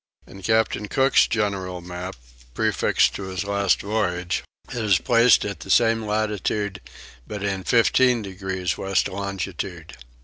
In Captain Cook's general map, prefixed to his last voyage, it is placed in the same latitude but in 15 degrees west longitude.